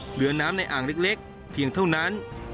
เหลือน้ำในอ่างเล็กเพียงเท่านั้น